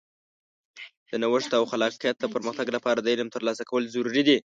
د نوښت او خلاقیت د پرمختګ لپاره د علم ترلاسه کول ضروري دي.